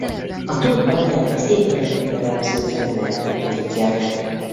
A tó partját az éghajlatra jellemző fenyőerdők borítják.